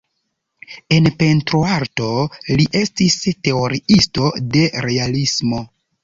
En pentroarto li estis teoriisto de realismo.